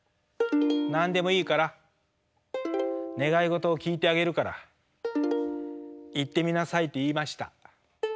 何でもいいから願い事を聞いてあげるから言ってみなさいって言いました。